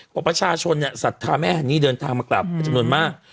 พ่อประชาชนเนี่ยสัตว์ทางแม่ฮันนี่เดินทางมากลับจำนวนมาก